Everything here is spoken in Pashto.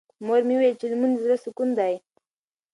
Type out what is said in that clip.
مور مې وویل چې لمونځ د زړه سکون دی.